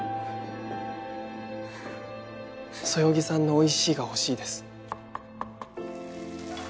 そよぎさんの「おいしい」が欲しいです。